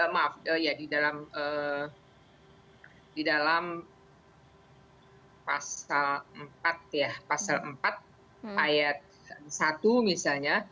maaf di dalam pasal empat ayat satu misalnya